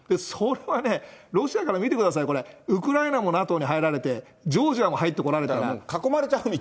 それはね、ロシアから見てください、これ、ウクライナもＮＡＴＯに入られて、ジョージアも入ってこられたら。